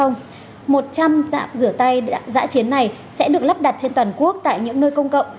một trăm linh dạng rửa tay giã chiến này sẽ được lắp đặt trên toàn quốc tại những nơi công cộng